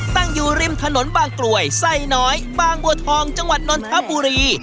ตั้งอยู่ริมถนนบางกลวยไส้น้อยบางบัวทองจังหวัดนนทบุรี